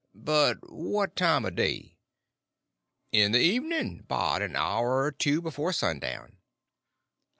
"But what time o' day?" "In the evenin'—'bout an hour er two before sundown."